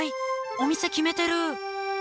お店決めてる！